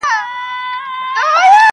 • دومره لوړ اسمان ته څوک نه وه ختلي -